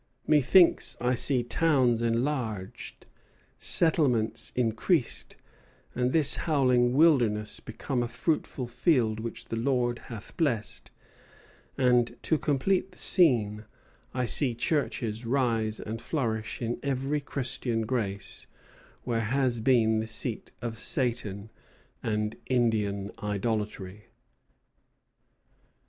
Methinks I see towns enlarged, settlements increased, and this howling wilderness become a fruitful field which the Lord hath blessed; and, to complete the scene, I see churches rise and flourish in every Christian grace where has been the seat of Satan and Indian idolatry."